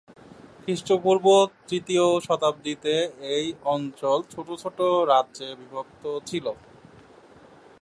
খ্রিস্টপূর্ব তৃতীয় শতাব্দীতে এই অঞ্চল ছোটো ছোটো রাজ্যে বিভক্ত ছিল।